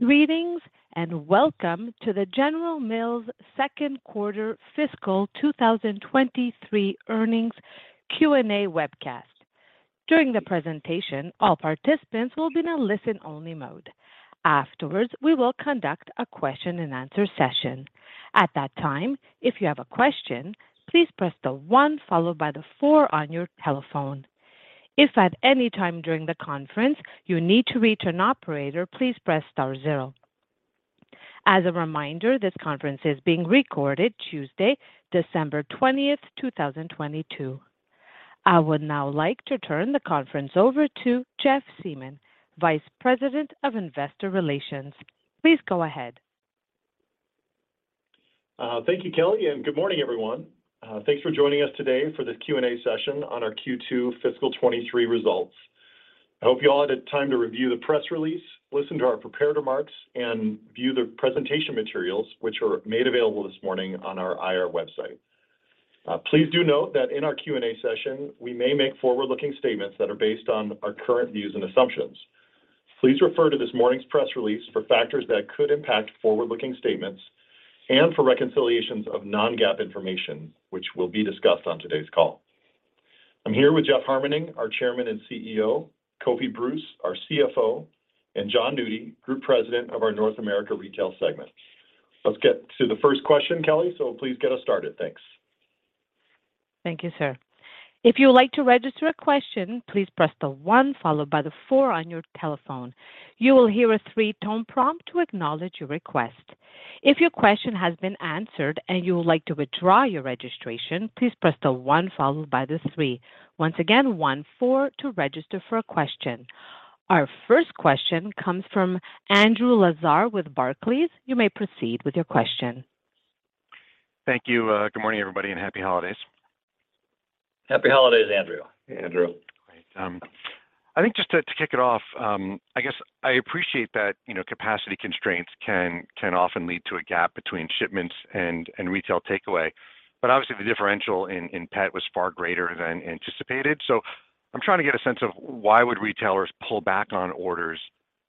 Greetings and welcome to the General Mills Q2 fiscal 2023 earnings Q&A webcast. During the presentation, all participants will be in a listen-only mode. Afterwards, we will conduct a question-and-answer session. At that time, if you have a question, please press 1 followed by 4 on your telephone. If at any time during the conference you need to reach an operator, please press star zero. As a reminder, this conference is being recorded Tuesday, December 20th, 2022. I would now like to turn the conference over to Jeff Siemon, Vice President of Investor Relations. Please go ahead. Thank you, Kelly, and good morning, everyone. Thanks for joining us today for this Q&A session on our Q2 fiscal 23 results. I hope you all had time to review the press release, listen to our prepared remarks, and view the presentation materials which were made available this morning on our IR website. Please do note that in our Q&A session, we may make forward-looking statements that are based on our current views and assumptions. Please refer to this morning's press release for factors that could impact forward-looking statements and for reconciliations of non-GAAP information, which will be discussed on today's call. I'm here with Jeff Harmening, our Chairman and CEO, Kofi Bruce, our CFO, and Jon Nudi, Group President of our North America Retail segment. Let's get to the first question. Kelly, please get us started. Thanks. Thank you, sir. If you would like to register a question, please press the 1 followed by the 4 on your telephone. You will hear a 3-tone prompt to acknowledge your request. If your question has been answered and you would like to withdraw your registration, please press the 1 followed by the 3. Once again, 1 4 to register for a question. Our first question comes from Andrew Lazar with Barclays. You may proceed with your question. Thank you. Good morning, everybody, and happy holidays. Happy holidays, Andrew. Andrew. Great. I think just to kick it off, I appreciate that, you know, capacity constraints can often lead to a gap between shipments and retail takeaway. Obviously, the differential in pet was far greater than anticipated. I'm trying to get a sense of why would retailers pull back on orders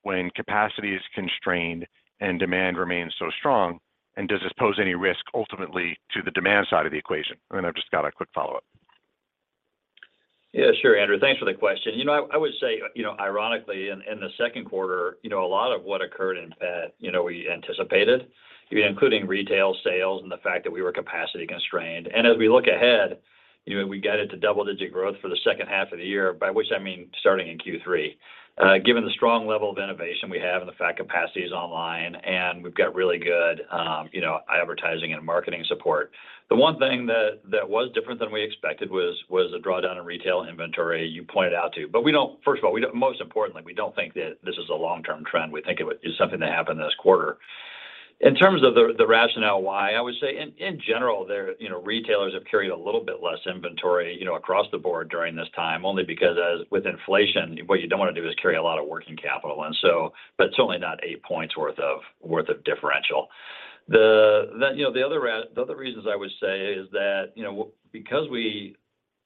when capacity is constrained and demand remains so strong? Does this pose any risk ultimately to the demand side of the equation? I've just got a quick follow-up. Yeah, sure, Andrew. Thanks for the question. I would say ironically in the 2nd quarter, a lot of what occurred in pet, we anticipated, including retail sales and the fact that we were capacity constrained. As we look ahead, we get into double-digit growth for the 2nd half of the year, by which I mean starting in Q3. Given the strong level of innovation we have and the fact capacity is online and we've got really good advertising and marketing support. The one thing that was different than we expected was the drawdown in retail inventory you pointed out to. First of all, most importantly, we don't think that this is a long-term trend. We think it was something that happened this quarter. In terms of the rationale why, I would say in general there, you know, retailers have carried a little bit less inventory, you know, across the board during this time, only because as with inflation, what you don't want to do is carry a lot of working capital but certainly not 8 points worth of differential. The, you know, the other reasons I would say is that, you know, because we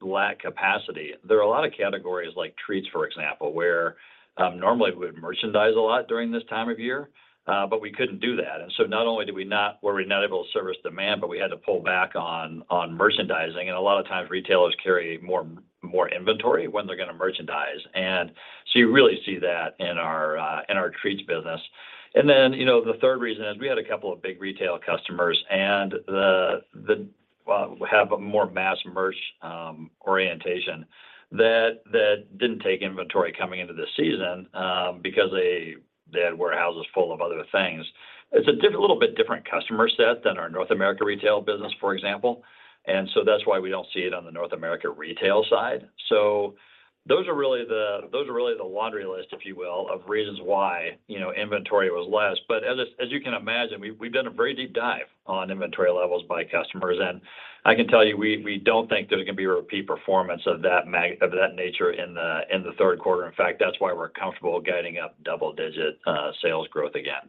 lack capacity, there are a lot of categories like treats, for example, where normally we would merchandise a lot during this time of year, but we couldn't do that. Not only were we not able to service demand, but we had to pull back on merchandising. A lot of times, retailers carry more inventory when they're gonna merchandise. You really see that in our treats business. You know, the third reason is we had 2 big retail customers and have a more mass merch orientation that didn't take inventory coming into the season because they had warehouses full of other things. It's a little bit different customer set than our North America Retail business, for example. That's why we don't see it on the North America Retail side. Those are really the laundry list, if you will, of reasons why, you know, inventory was less. As you can imagine, we've done a very deep dive on inventory levels by customers. I can tell you, we don't think there's gonna be a repeat performance of that nature in the Q3. In fact, that's why we're comfortable guiding up double-digit sales growth again.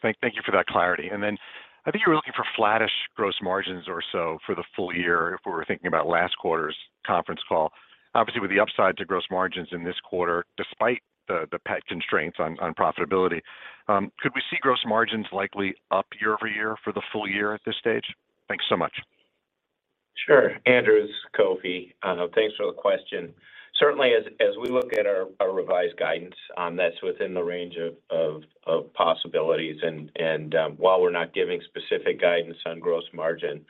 Great. Thank you for that clarity. I think you were looking for flattish gross margins or so for the full year if we were thinking about last quarter's conference call, obviously with the upside to gross margins in this quarter, despite the pet constraints on profitability, could we see gross margins likely up year-over-year for the full year at this stage? Thanks so much. Sure. Andrew, it's Kofi. Thanks for the question. Certainly as we look at our revised guidance, that's within the range of possibilities. While we're not giving specific guidance on gross margin,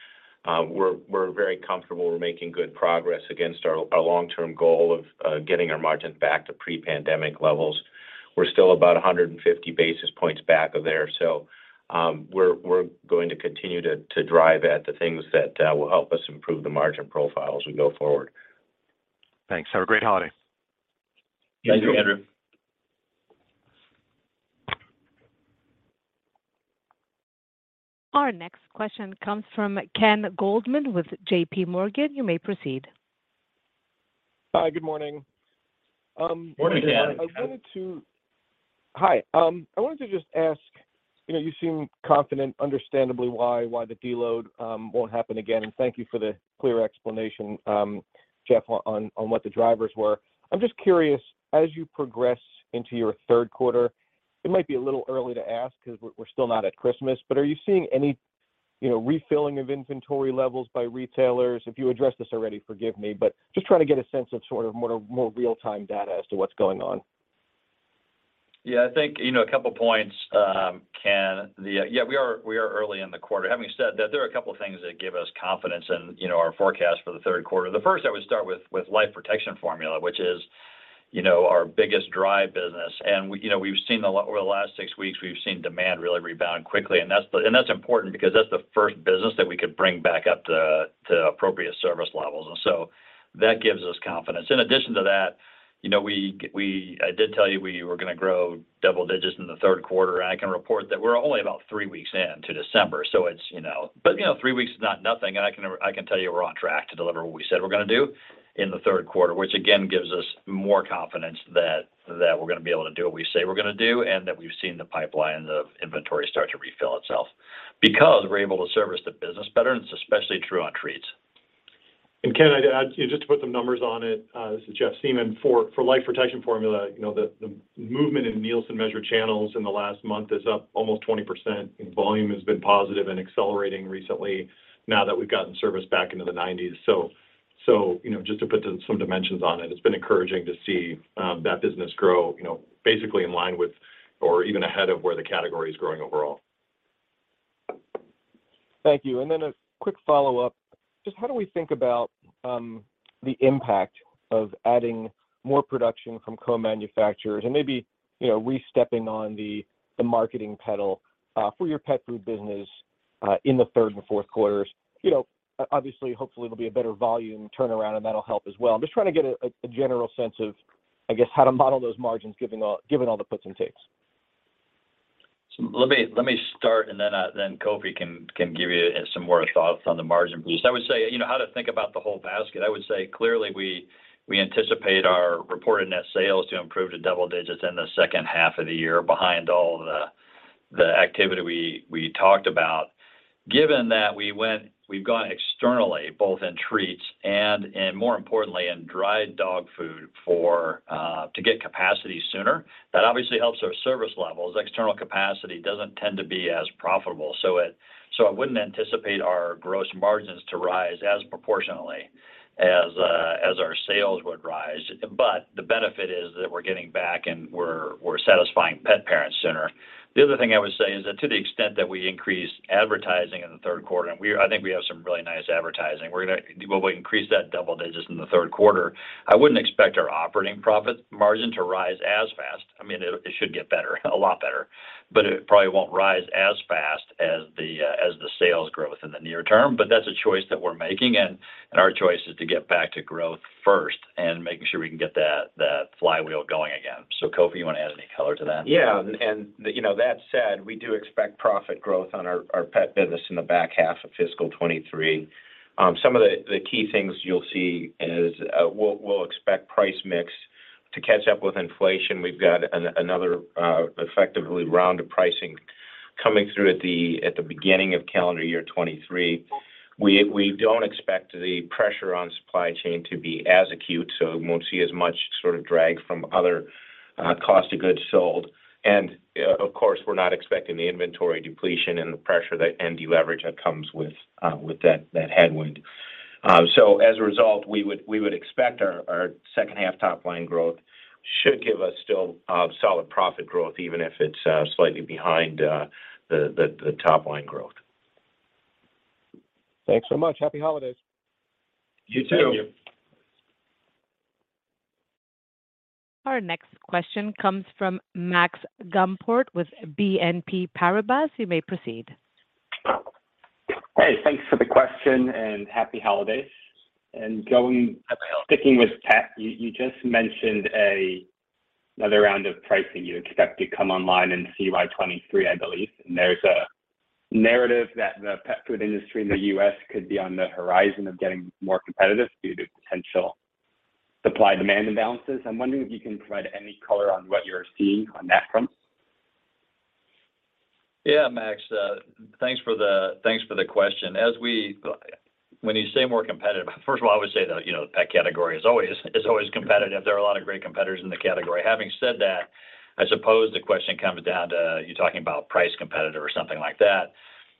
we're very comfortable we're making good progress against our long-term goal of getting our margins back to pre-pandemic levels. We're still about 150 basis points back of there. We're going to continue to drive at the things that will help us improve the margin profile as we go forward. Thanks. Have a great holiday. Thank you. Thank you, Andrew. Our next question comes from Ken Goldman with JPMorgan. You may proceed. Hi. Good morning. Morning, Ken. Hi. I wanted to just ask. You know, you seem confident, understandably why the deload won't happen again. Thank you for the clear explanation, Jeff, on what the drivers were. I'm just curious, as you progress into your Q3, it might be a little early to ask because we're still not at Christmas, but are you seeing any, you know, refilling of inventory levels by retailers? If you addressed this already, forgive me, but just trying to get a sense of sort of more, more real-time data as to what's going on. Yeah. I think, you know, a couple points, Ken. Yeah, we are early in the quarter. Having said that, there are a couple of things that give us confidence in, you know, our forecast for the Q3. The first I would start with Life Protection Formula, which is, you know, our biggest dry business. We you know, we've seen Over the last six weeks, we've seen demand really rebound quickly, and that's important because that's the first business that we could bring back up to appropriate service levels. That gives us confidence. In addition to that, you know, we I did tell you we were gonna grow double digits in the Q3. I can report that we're only about three weeks in to December, so it's, you know. You know, three weeks is not nothing, and I can tell you we're on track to deliver what we said we're gonna do in the Q3, which again gives us more confidence that we're gonna be able to do what we say we're gonna do and that we've seen the pipeline of inventory start to refill itself because we're able to service the business better, and it's especially true on treats. Ken, I'd add, just to put some numbers on it, this is Jeff Siemon. For Life Protection Formula, you know, the movement in Nielsen measured channels in the last month is up almost 20%, and volume has been positive and accelerating recently now that we've gotten service back into the nineties. You know, just to put some dimensions on it's been encouraging to see that business grow, you know, basically in line with or even ahead of where the category is growing overall. Thank you. A quick follow-up. Just how do we think about the impact of adding more production from co-manufacturers and maybe, you know, re-stepping on the marketing pedal for your pet food business in the third and Q4? You know, obviously, hopefully it'll be a better volume turnaround, and that'll help as well. I'm just trying to get a general sense of, I guess, how to model those margins given all the puts and takes. Let me start, and then Kofi can give you some more thoughts on the margin piece. I would say, you know, how to think about the whole basket, I would say clearly we anticipate our reported net sales to improve to double digits in the second half of the year behind all the activity we talked about. Given that we've gone externally, both in treats and more importantly in dried dog food for to get capacity sooner, that obviously helps our service levels. External capacity doesn't tend to be as profitable. I wouldn't anticipate our gross margins to rise as proportionately as our sales would rise. The benefit is that we're getting back and we're satisfying pet parents sooner. The other thing I would say is that to the extent that we increase advertising in the Q3, and I think we have some really nice advertising. We'll increase that double digits in the Q3. I wouldn't expect our operating profit margin to rise as fast. I mean, it should get better, a lot better, but it probably won't rise as fast as the sales growth in the near term. That's a choice that we're making, and our choice is to get back to growth first and making sure we can get that flywheel going again. Kofi, you want to add any color to that? at said, we do expect profit growth on our pet business in the back half of fiscal 23. Some of the key things you'll see is, we'll expect price mix to catch up with inflation. We've got another effectively round of pricing coming through at the beginning of calendar year 23. We don't expect the pressure on supply chain to be as acute, so we won't see as much sort of drag from other cost of goods sold. And, of course, we're not expecting the inventory depletion and the pressure and deleverage that comes with that headwind. As a result, we would expect our second half top line growth should give us still solid profit growth, even if it's slightly behind the top line growth. Thanks so much. Happy holidays. You too. Thank you. Our next question comes from Max Gumport with BNP Paribas. You may proceed. Hey, thanks for the question and Happy Holidays. Happy Holidays. sticking with pet, you just mentioned another round of pricing you expect to come online in CY 2023, I believe. There's a narrative that the pet food industry in the U.S. could be on the horizon of getting more competitive due to potential supply-demand imbalances. I'm wondering if you can provide any color on what you're seeing on that front. Yeah, Max. Thanks for the question. When you say more competitive, first of all, I would say that, you know, the pet category is always competitive. There are a lot of great competitors in the category. I suppose the question comes down to, are you talking about price competitor or something like that?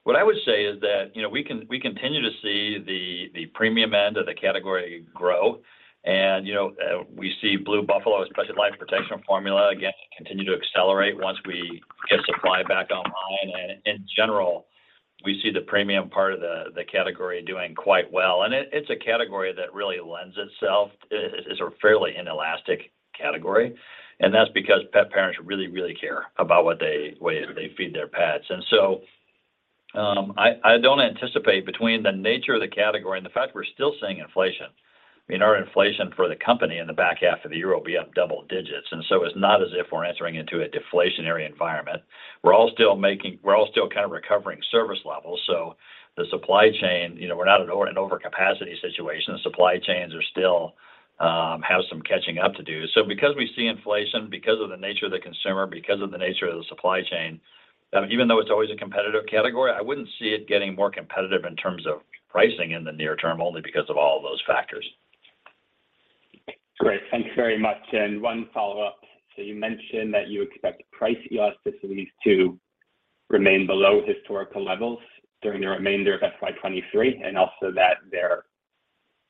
What I would say is that, you know, we continue to see the premium end of the category grow. You know, we see Blue Buffalo, especially Life Protection Formula, again, continue to accelerate once we get supply back online. In general, we see the premium part of the category doing quite well. It's a category that really lends itself. It is a fairly inelastic category. That's because pet parents really, really care about what they, way they feed their pets. I don't anticipate between the nature of the category and the fact we're still seeing inflation. I mean, our inflation for the company in the back half of the year will be up double digits. It's not as if we're entering into a deflationary environment. We're all still kind of recovering service levels. The supply chain, you know, we're not at an overcapacity situation. The supply chains are still, have some catching up to do. Because we see inflation, because of the nature of the consumer, because of the nature of the supply chain, even though it's always a competitive category, I wouldn't see it getting more competitive in terms of pricing in the near term, only because of all those factors. Great. Thank you very much. One follow-up. You mentioned that you expect price elasticities to remain below historical levels during the remainder of FY 23, and also that they're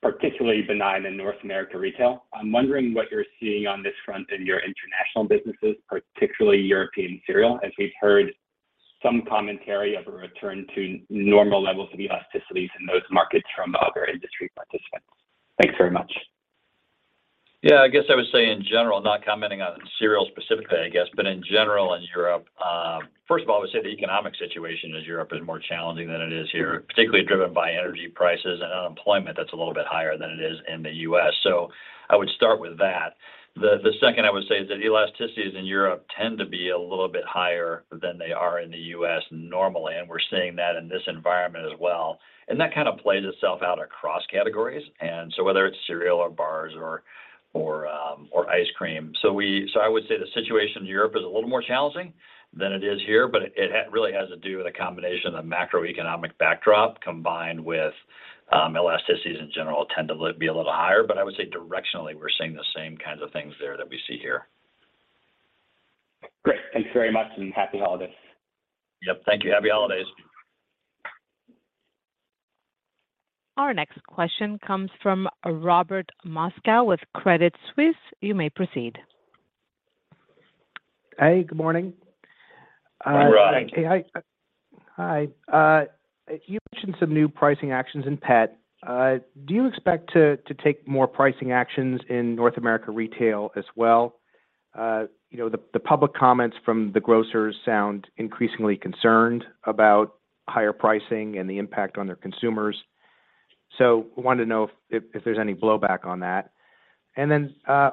particularly benign in North America retail. I'm wondering what you're seeing on this front in your international businesses, particularly European cereal, as we've heard some commentary of a return to normal levels of elasticities in those markets from other industry participants. Thanks very much. Yeah, I guess I would say in general, not commenting on cereal specifically, I guess, but in general in Europe, first of all, I would say the economic situation is Europe is more challenging than it is here, particularly driven by energy prices and unemployment that's a little bit higher than it is in the U.S. I would start with that. The second I would say is that elasticities in Europe tend to be a little bit higher than they are in the U.S. normally, and we're seeing that in this environment as well. That kind of plays itself out across categories. Whether it's cereal or bars or ice cream. I would say the situation in Europe is a little more challenging than it is here, but it really has to do with a combination of macroeconomic backdrop combined with elasticities in general tend to be a little higher. I would say directionally, we're seeing the same kinds of things there that we see here. Great. Thank you very much, and happy holidays. Yep. Thank you. Happy holidays. Our next question comes from Robert Moskow with Credit Suisse. You may proceed. Hey, good morning. Hi, Rob. Hey. Hi. Hi. You mentioned some new pricing actions in pet. Do you expect to take more pricing actions in North America Retail as well? You know, the public comments from the grocers sound increasingly concerned about higher pricing and the impact on their consumers. Wanted to know if there's any blowback on that.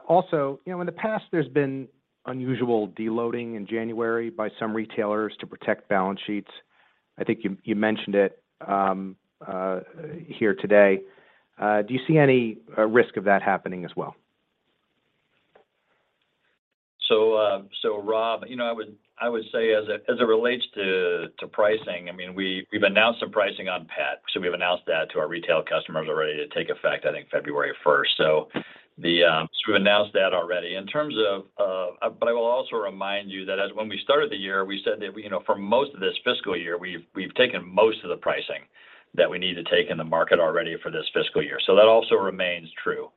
Also, you know, in the past, there's been unusual deloading in January by some retailers to protect balance sheets. I think you mentioned it here today. Do you see any risk of that happening as well? Rob, you know, I would say as it relates to pricing, I mean, we've announced some pricing on pet, so we've announced that to our retail customers already to take effect, I think February 1st. We've announced that already. In terms of, I will also remind you that as when we started the year, we said that, you know, for most of this fiscal year, we've taken most of the pricing that we need to take in the market already for this fiscal year. That also remains true.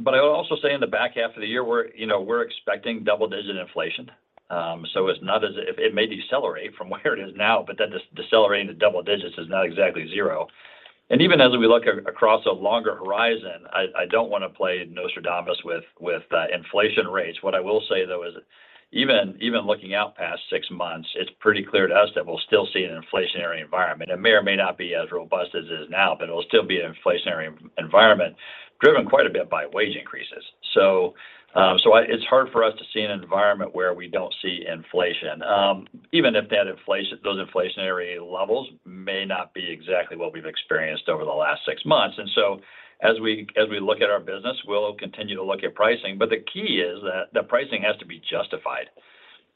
I would also say in the back half of the year, we're, you know, we're expecting double-digit inflation. It's not as if it may decelerate from where it is now, but then decelerating to double digits is not exactly zero. Even as we look across a longer horizon, I don't wanna play Nostradamus with inflation rates. I will say, though, is even looking out past 6 months, it's pretty clear to us that we'll still see an inflationary environment. It may or may not be as robust as it is now, but it'll still be an inflationary environment driven quite a bit by wage increases. So it's hard for us to see an environment where we don't see inflation, even if that inflation, those inflationary levels may not be exactly what we've experienced over the last 6 months. As we look at our business, we'll continue to look at pricing. The key is that the pricing has to be justified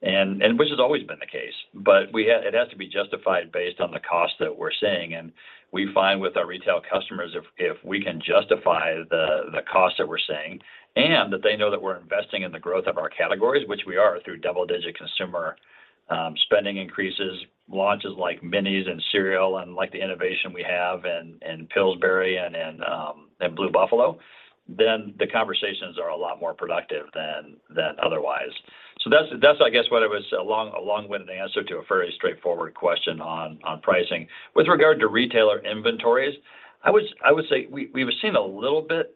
and which has always been the case. It has to be justified based on the cost that we're seeing. We find with our retail customers if we can justify the cost that we're seeing and that they know that we're investing in the growth of our categories, which we are through double-digit consumer spending increases, launches like minis and cereal and like the innovation we have in Pillsbury and in Blue Buffalo, then the conversations are a lot more productive than otherwise. That's, I guess, what it was a long-winded answer to a very straightforward question on pricing. With regard to retailer inventories, I would say we've seen a little bit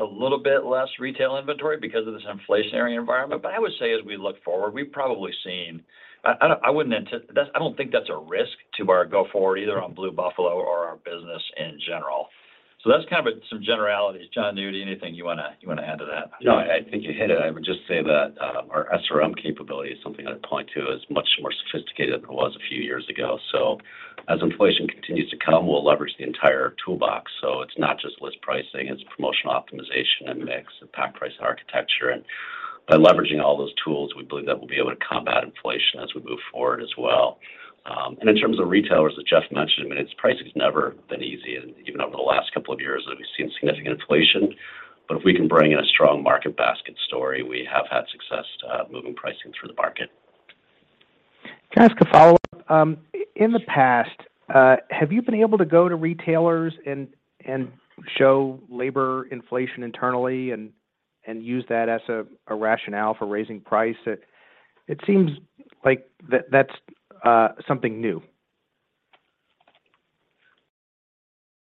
less retail inventory because of this inflationary environment. I would say as we look forward, we've probably seen. I wouldn't anti I don't think that's a risk to our go forward, either on Blue Buffalo or our business in general. That's kind of some generalities. Jon Nudi, anything you wanna add to that? No, I think you hit it. I would just say that our SRM capability is something I'd point to is much more sophisticated than it was a few years ago. As inflation continues to come, we'll leverage the entire toolbox. It's not just list pricing, it's promotional optimization and mix and pack price architecture. By leveraging all those tools, we believe that we'll be able to combat inflation as we move forward as well. In terms of retailers, as Jeff mentioned, I mean, it's pricing's never been easy, and even over the last couple of years, we've seen significant inflation. If we can bring in a strong market basket story, we have had success to moving pricing through the market. Can I ask a follow-up? In the past, have you been able to go to retailers and show labor inflation internally and use that as a rationale for raising price? It seems like that's something new.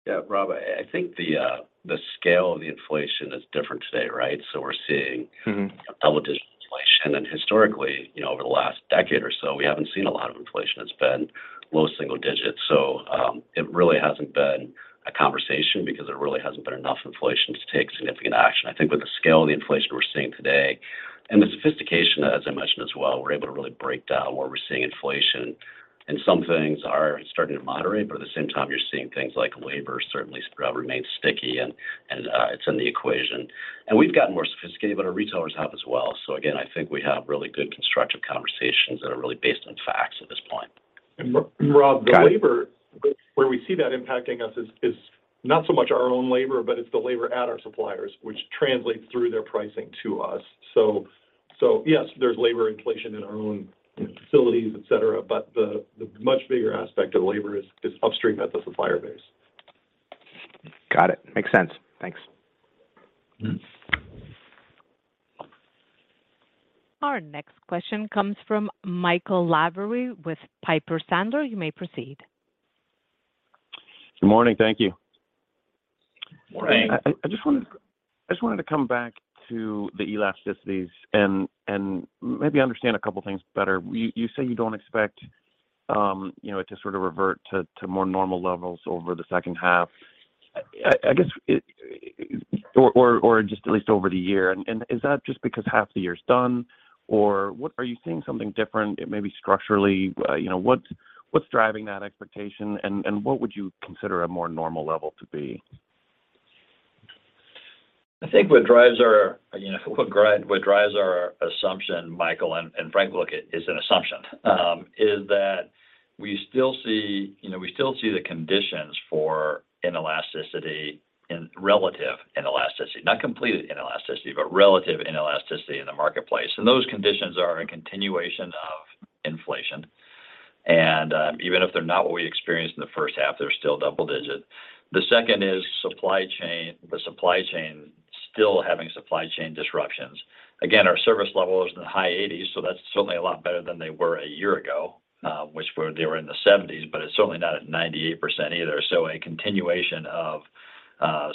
Yeah, Rob. I think the scale of the inflation is different today, right? We're seeing double-digit inflation. Historically, you know, over the last decade or so, we haven't seen a lot of inflation. It's been low single digits. It really hasn't been a conversation because there really hasn't been enough inflation to take significant. I think with the scale of the inflation we're seeing today and the sophistication, as I mentioned as well, we're able to really break down where we're seeing inflation and some things are starting to moderate, but at the same time, you're seeing things like labor certainly remains sticky and it's in the equation. We've gotten more sophisticated, but our retailers have as well. Again, I think we have really good constructive conversations that are really based on facts at this point. Rob Got it. The labor, where we see that impacting us is not so much our own labor, but it's the labor at our suppliers, which translates through their pricing to us. Yes, there's labor inflation in our own facilities, et cetera, but the much bigger aspect of labor is upstream at the supplier base. Got it. Makes sense. Thanks. Our next question comes from Michael Lavery with Piper Sandler. You may proceed. Good morning. Thank you. Morning. Thanks. I just wanted to come back to the elasticities and maybe understand a couple of things better. You say you don't expect, you know, to sort of revert to more normal levels over the second half. I guess it or just at least over the year. Is that just because half the year is done or what are you seeing something different maybe structurally? You know, what's driving that expectation and what would you consider a more normal level to be? I think what drives our, you know, what drives our assumption, Michael, and Frank, look, is an assumption, is that we still see, you know, we still see the conditions for inelasticity and relative inelasticity, not complete inelasticity, but relative inelasticity in the marketplace. Those conditions are a continuation of inflation. Even if they're not what we experienced in the first half, they're still double digit. The second is supply chain, the supply chain still having supply chain disruptions. Again, our service level is in the high 80s, so that's certainly a lot better than they were a year ago, which they were in the 70s, but it's certainly not at 98% either. A continuation of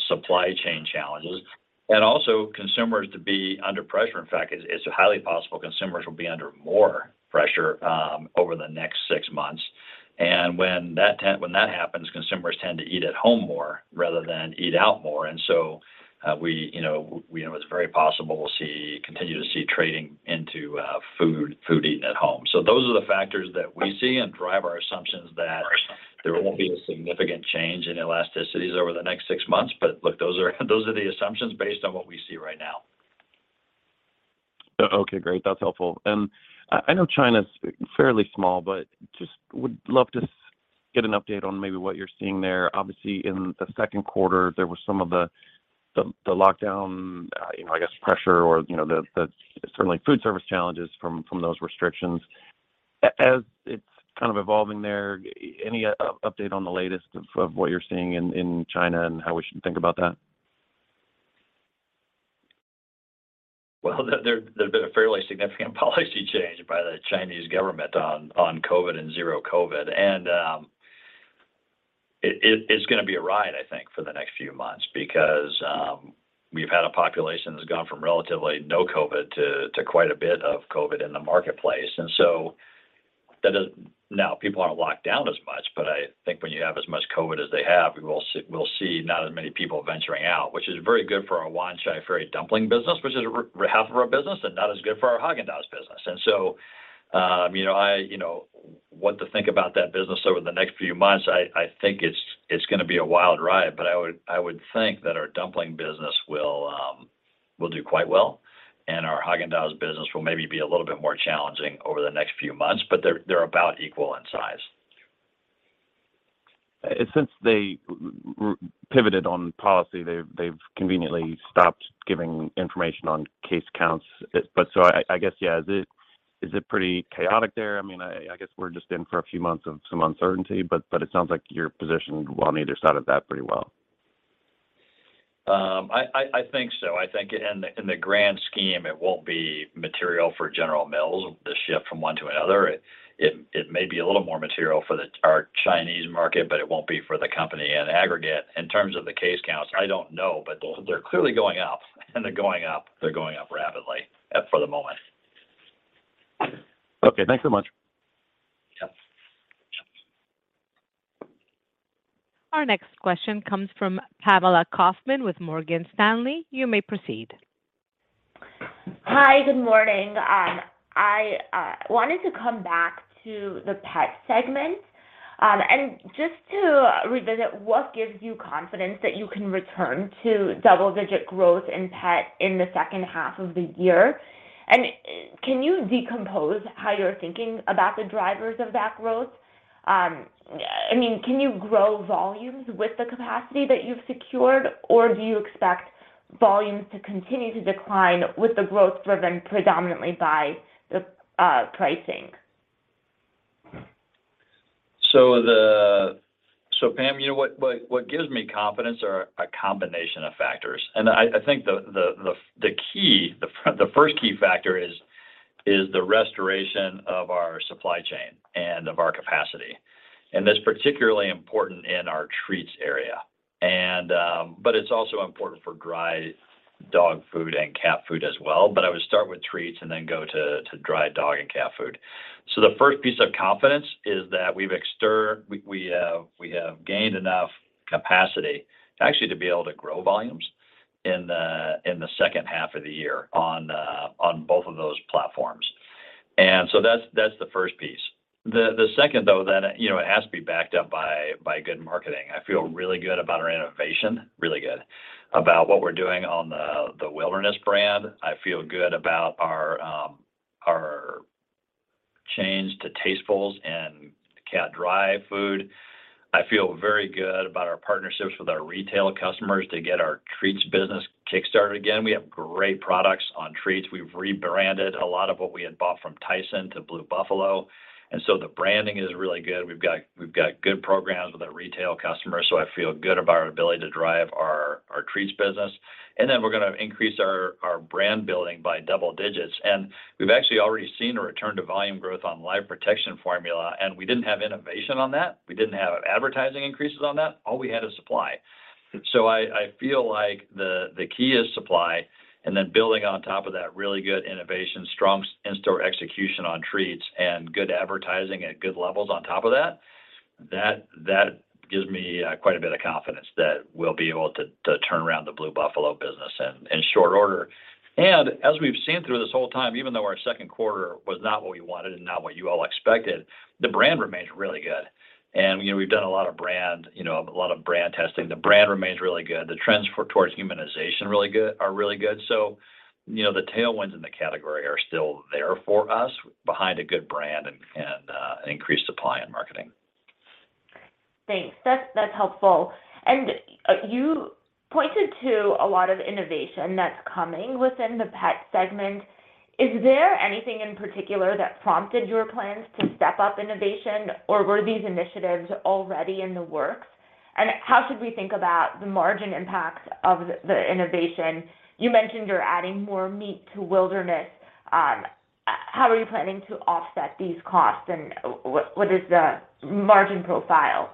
supply chain challenges and also consumers to be under pressure. In fact, it's highly possible consumers will be under more pressure over the next 6 months. When that happens, consumers tend to eat at home more rather than eat out more. We know it's very possible we'll continue to see trading into food eaten at home. Those are the factors that we see and drive our assumptions that there won't be a significant change in elasticities over the next 6 months. Look, those are the assumptions based on what we see right now. Okay, great. That's helpful. I know China's fairly small, but just would love to get an update on maybe what you're seeing there. Obviously, in the Q2, there was some of the lockdown, you know, I guess pressure or, you know, the certainly food service challenges from those restrictions. As it's kind of evolving there, any update on the latest of what you're seeing in China and how we should think about that? Well, there have been a fairly significant policy change by the Chinese government on COVID and zero COVID. It's gonna be a ride, I think, for the next few months because we've had a population that's gone from relatively no COVID to quite a bit of COVID in the marketplace. Now people aren't locked down as much. I think when you have as much COVID as they have, we'll see not as many people venturing out, which is very good for our Wanchai Ferry dumpling business, which is half of our business, and not as good for our Häagen-Dazs business. You know, I, you know, what to think about that business over the next few months, I think it's gonna be a wild ride, but I would think that our dumpling business will do quite well and our Häagen-Dazs business will maybe be a little bit more challenging over the next few months, but they're about equal in size. Since they pivoted on policy, they've conveniently stopped giving information on case counts. I guess, yeah, is it pretty chaotic there? I mean, I guess we're just in for a few months of some uncertainty, but it sounds like you're positioned on either side of that pretty well. I think so. I think in the grand scheme it won't be material for General Mills, the shift from one to another. It may be a little more material for our Chinese market, but it won't be for the company in aggregate. In terms of the case counts, I don't know, but they're clearly going up and they're going up rapidly for the moment. Okay, thanks so much. Yep. Our next question comes from Pamela Kaufman with Morgan Stanley. You may proceed. Hi. Good morning. I wanted to come back to the pet segment, and just to revisit what gives you confidence that you can return to double-digit growth in pet in the second half of the year. Can you decompose how you're thinking about the drivers of that growth? I mean, can you grow volumes with the capacity that you've secured, or do you expect volumes to continue to decline with the growth driven predominantly by the pricing? Pam, you know what gives me confidence are a combination of factors. I think the key, the first key factor is the restoration of our supply chain and of our capacity. That's particularly important in our treats area. But it's also important for dry dog food and cat food as well. I would start with treats and then go to dry dog and cat food. The first piece of confidence is that we have gained enough capacity actually to be able to grow volumes in the second half of the year on both of those platforms. That's the first piece. The second, though, then, you know, it has to be backed up by good marketing. I feel really good about our innovation, really good about what we're doing on the Wilderness brand. I feel good about our change to Tastefuls and cat dry food. I feel very good about our partnerships with our retail customers to get our treats business kick-started again. We have great products on treats. We've rebranded a lot of what we had bought from Tyson to Blue Buffalo, so the branding is really good. We've got good programs with our retail customers, so I feel good about our ability to drive our treats business. We're gonna increase our brand building by double digits. We've actually already seen a return to volume growth on Life Protection Formula. We didn't have innovation on that. We didn't have advertising increases on that. All we had is supply. I feel like the key is supply and then building on top of that really good innovation, strong in-store execution on treats and good advertising at good levels on top of that. That gives me quite a bit of confidence that we'll be able to turn around the Blue Buffalo business in short order. As we've seen through this whole time, even though our Q2 was not what we wanted and not what you all expected, the brand remains really good. You know, we've done a lot of brand testing. The brand remains really good. The trends towards humanization are really good. You know, the tailwinds in the category are still there for us behind a good brand and increased supply and marketing. Thanks. That's helpful. You pointed to a lot of innovation that's coming within the pet segment. Is there anything in particular that prompted your plans to step up innovation, or were these initiatives already in the works? How should we think about the margin impacts of the innovation? You mentioned you're adding more meat to Wilderness. How are you planning to offset these costs, and what is the margin profile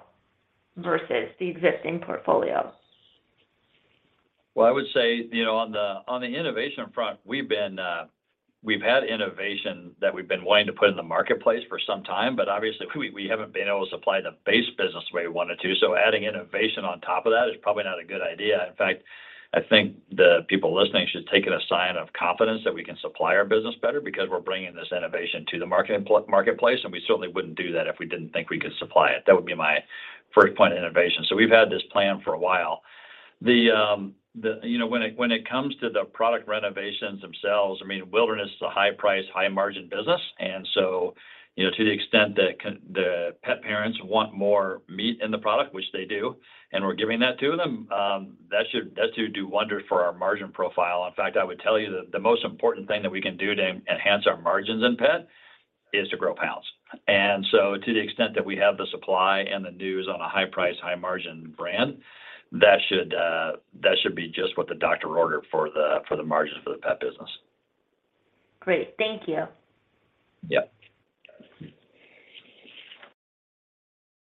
versus the existing portfolio? Well, I would say, you know, on the innovation front, we've been, we've had innovation that we've been wanting to put in the marketplace for some time. Obviously, we haven't been able to supply the base business the way we wanted to. Adding innovation on top of that is probably not a good idea. In fact, I think the people listening should take it a sign of confidence that we can supply our business better because we're bringing this innovation to the marketplace. We certainly wouldn't do that if we didn't think we could supply it. That would be my first point of innovation. We've had this plan for a while. You know, when it comes to the product renovations themselves, I mean, Wilderness is a high-price, high-margin business. You know, to the extent that the pet parents want more meat in the product, which they do, and we're giving that to them, that should do wonders for our margin profile. In fact, I would tell you that the most important thing that we can do to enhance our margins in pet is to grow pounds. To the extent that we have the supply and the news on a high-price, high-margin brand, that should be just what the doctor ordered for the margins for the pet business. Great. Thank you. Yep.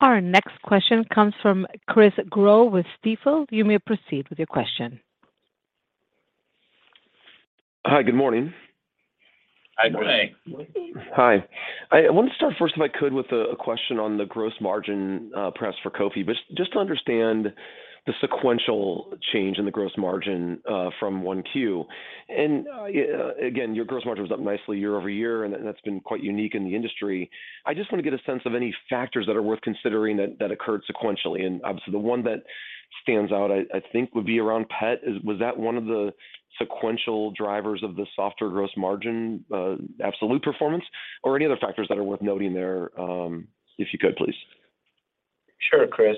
Our next question comes from Chris Growe with Stifel. You may proceed with your question. Hi, good morning. Hi, good morning. Good morning. Hi. I wanted to start first, if I could, with a question on the gross margin, perhaps for Kofi, but just to understand the sequential change in the gross margin, from 1 Q. Again, your gross margin was up nicely year-over-year, and that's been quite unique in the industry. I just want to get a sense of any factors that are worth considering that occurred sequentially. Obviously, the one that stands out, I think would be around pet. Was that one of the sequential drivers of the softer gross margin, absolute performance or any other factors that are worth noting there, if you could, please? Sure, Chris.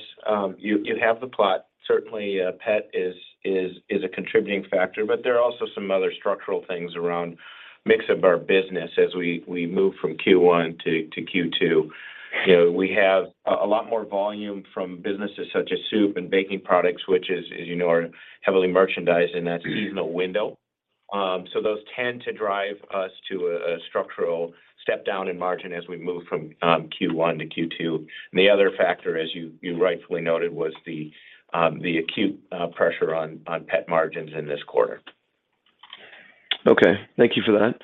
You have the plot. Certainly, pet is a contributing factor, but there are also some other structural things around mix of our business as we move from Q1 to Q2. You know, we have a lot more volume from businesses such as soup and baking products, which is, as you know, are heavily merchandised in that seasonal window. So those tend to drive us to a structural step down in margin as we move from Q1 to Q2. The other factor, as you rightfully noted, was the acute pressure on pet margins in this quarter. Okay. Thank you for that.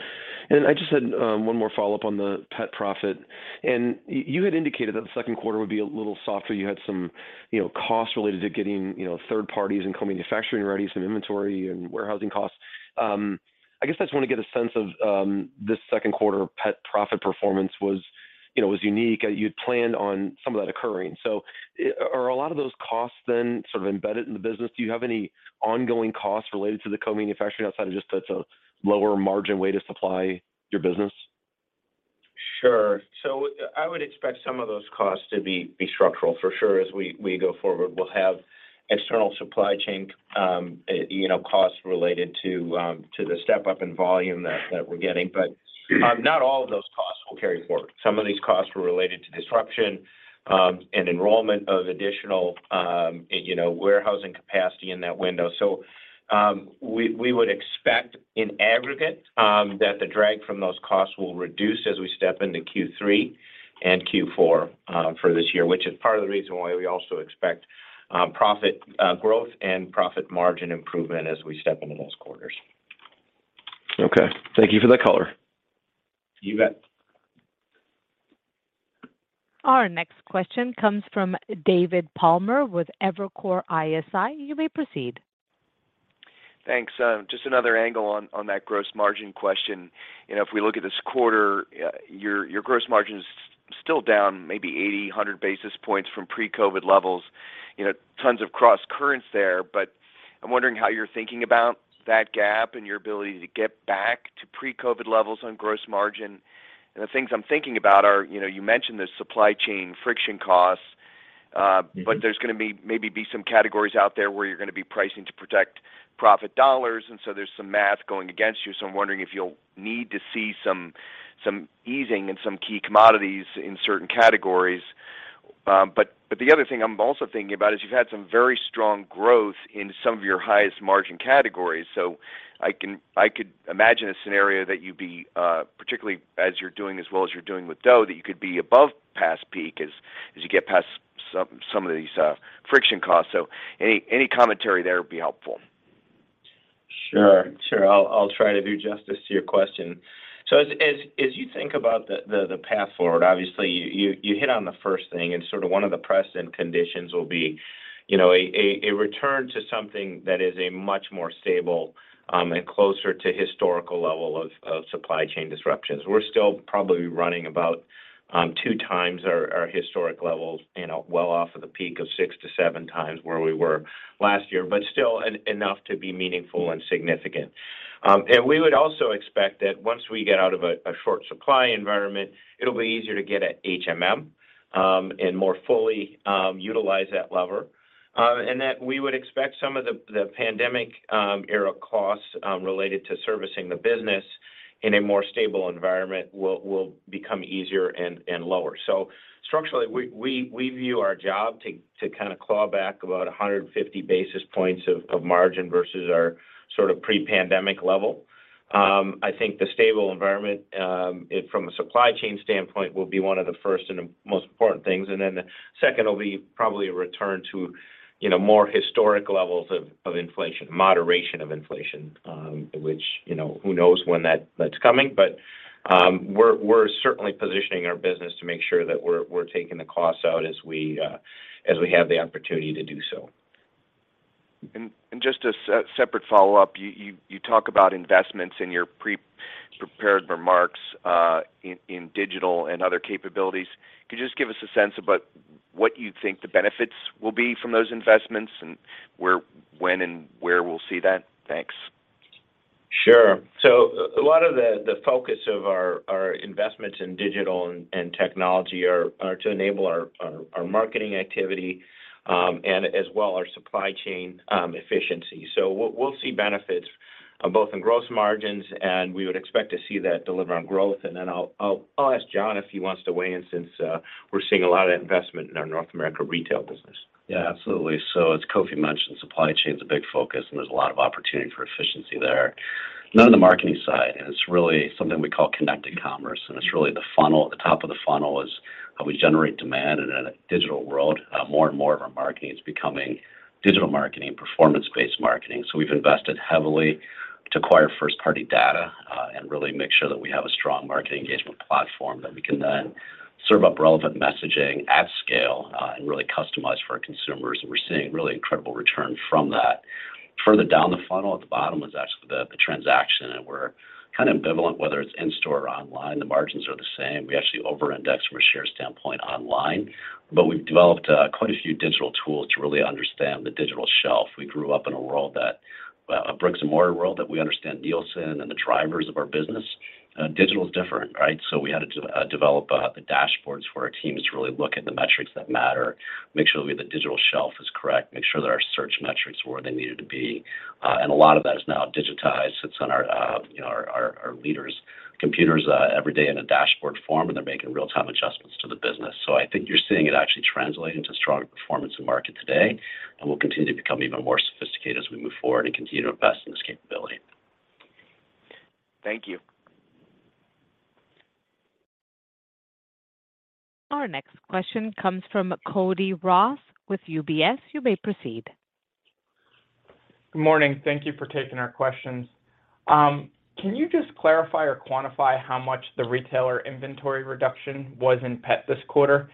I just had one more follow-up on the pet profit. You had indicated that the Q2 would be a little softer. You had some, you know, costs related to getting, you know, third parties and co-manufacturing ready, some inventory and warehousing costs. I guess I just want to get a sense of this Q2 pet profit performance was, you know, was unique. You had planned on some of that occurring. Are a lot of those costs then sort of embedded in the business? Do you have any ongoing costs related to the co-manufacturing outside of just that's a lower margin way to supply your business? Sure. I would expect some of those costs to be structural for sure as we go forward. We'll have external supply chain, you know, costs related to the step up in volume that we're getting. Not all of those costs will carry forward. Some of these costs were related to disruption, and enrollment of additional, you know, warehousing capacity in that window. We would expect in aggregate that the drag from those costs will reduce as we step into Q3 and Q4 for this year, which is part of the reason why we also expect profit growth and profit margin improvement as we step into those quarters. Okay. Thank you for the color. You bet. Our next question comes from David Palmer with Evercore ISI. You may proceed. Thanks. Just another angle on that gross margin question. You know, if we look at this quarter, your gross margin's still down maybe 80, 100 basis points from pre-COVID levels. You know, tons of crosscurrents there. I'm wondering how you're thinking about that gap and your ability to get back to pre-COVID levels on gross margin. The things I'm thinking about are, you know, you mentioned the supply chain friction costs. There's maybe be some categories out there where you're gonna be pricing to protect profit dollars, there's some math going against you. I'm wondering if you'll need to see some easing in some key commodities in certain categories. The other thing I'm also thinking about is you've had some very strong growth in some of your highest margin categories. I could imagine a scenario that you'd be particularly as you're doing as well as you're doing with dough, that you could be above past peak as you get past some of these friction costs. Any commentary there would be helpful. Sure. Sure. I'll try to do justice to your question. As you think about the path forward, obviously you hit on the first thing and sort of one of the precedent conditions will be, you know, a return to something that is a much more stable and closer to historical level of supply chain disruptions. We're still probably running about 2 times our historic levels, you know, well off of the peak of 6 to 7 times where we were last year, but still enough to be meaningful and significant. We would also expect that once we get out of a short supply environment, it'll be easier to get at HMM and more fully utilize that lever. That we would expect some of the pandemic era costs related to servicing the business in a more stable environment will become easier and lower. Structurally we view our job to kinda claw back about 150 basis points of margin versus our sort of pre-pandemic level. I think the stable environment from a supply chain standpoint will be one of the first and the most important things. The second will be probably a return to, you know, more historic levels of inflation, moderation of inflation, which, you know, who knows when that's coming. We're certainly positioning our business to make sure that we're taking the costs out as we have the opportunity to do so. Just a separate follow-up. You talk about investments in your pre-prepared remarks, in digital and other capabilities. Could you just give us a sense about what you think the benefits will be from those investments and where, when, and where we'll see that? Thanks. Sure. A lot of the focus of our investments in digital and technology are to enable our marketing activity, and as well our supply chain efficiency. We'll see benefits both in gross margins and we would expect to see that deliver on growth. Then I'll ask Jon if he wants to weigh in since, we're seeing a lot of investment in our North America retail business. Yeah, absolutely. As Kofi mentioned, supply chain's a big focus and there's a lot of opportunity for efficiency there. Now on the marketing side, and it's really something we call connected commerce, and it's really the funnel. At the top of the funnel is how we generate demand in a digital world. More and more of our marketing is becoming digital marketing, performance-based marketing. We've invested heavily to acquire first-party data, and really make sure that we have a strong marketing engagement platform that we can then serve up relevant messaging at scale, and really customize for our consumers. We're seeing really incredible return from that. Further down the funnel at the bottom is actually the transaction, and we're kind of ambivalent whether it's in-store or online. The margins are the same. We actually over-index from a share standpoint online, but we've developed quite a few digital tools to really understand the digital shelf. We grew up in a world, a bricks-and-mortar world, that we understand Nielsen and the drivers of our business. Digital is different, right? We had to develop the dashboards for our teams to really look at the metrics that matter, make sure that the digital shelf is correct, make sure that our search metrics were where they needed to be. A lot of that is now digitized. It's on our, you know, our leaders' computers every day in a dashboard form, and they're making real-time adjustments to the business. I think you're seeing it actually translate into stronger performance in market today and will continue to become even more sophisticated as we move forward and continue to invest in this capability. Thank you. Our next question comes from Cody Ross with UBS. You may proceed. Good morning. Thank you for taking our questions. Can you just clarify or quantify how much the retailer inventory reduction was in pet this quarter?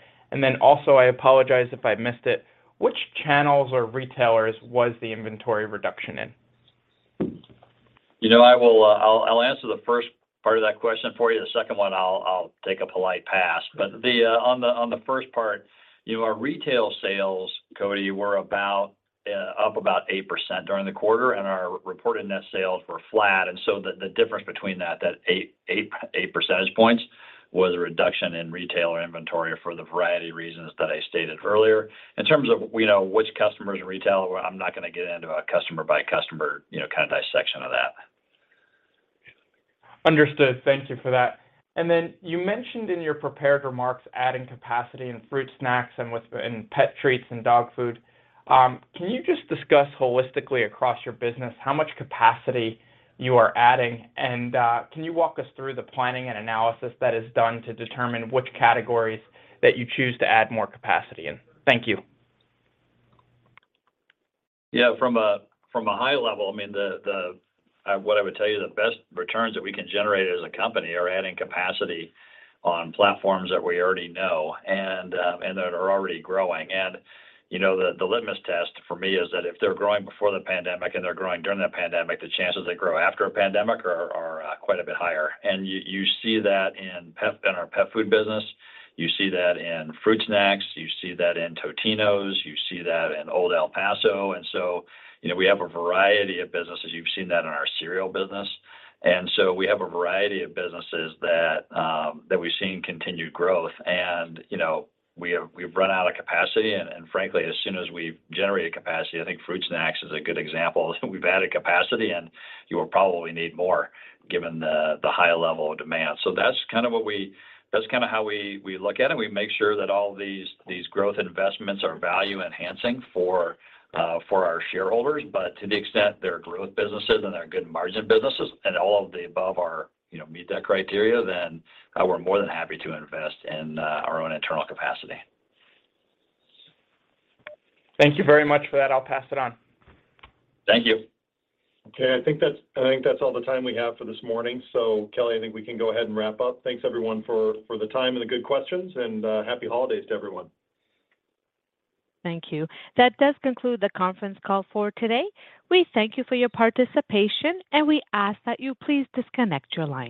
Also, I apologize if I missed it, which channels or retailers was the inventory reduction in? You know, I'll answer the first part of that question for you. The second one, I'll take a polite pass. On the first part, you know, our retail sales, Cody, were about up 8% during the quarter, and our reported net sales were flat. The difference between that 8 percentage points was a reduction in retailer inventory for the variety of reasons that I stated earlier. In terms of, you know, which customers in retail, I'm not gonna get into a customer-by-customer, you know, kind of dissection of that. Understood. Thank you for that. Then you mentioned in your prepared remarks adding capacity in fruit snacks in pet treats and dog food. Can you just discuss holistically across your business how much capacity you are adding? Can you walk us through the planning and analysis that is done to determine which categories that you choose to add more capacity in? Thank you. Yeah. From a, from a high level, I mean, what I would tell you, the best returns that we can generate as a company are adding capacity on platforms that we already know and that are already growing. You know, the litmus test for me is that if they're growing before the pandemic and they're growing during the pandemic, the chances they grow after a pandemic are quite a bit higher. You, you see that in our pet food business. You see that in fruit snacks. You see that in Totino's. You see that in Old El Paso. So, you know, we have a variety of businesses. You've seen that in our cereal business. So we have a variety of businesses that we've seen continued growth. You know, we've run out of capacity, and frankly, as soon as we generate capacity, I think fruit snacks is a good example, we've added capacity and you'll probably need more given the high level of demand. That's kinda how we look at it. We make sure that all these growth investments are value enhancing for our shareholders. To the extent they're growth businesses and they're good margin businesses and all of the above are, you know, meet that criteria, then we're more than happy to invest in our own internal capacity. Thank you very much for that. I'll pass it on. Thank you. Okay. I think that's all the time we have for this morning. Kelly, I think we can go ahead and wrap up. Thanks everyone for the time and the good questions, and happy holidays to everyone. Thank you. That does conclude the conference call for today. We thank you for your participation, and we ask that you please disconnect your lines.